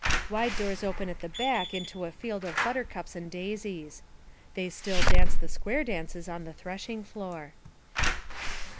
"Wide doors open at the back into a field of buttercups and daisies." They still dance the square dances on the threshing floor.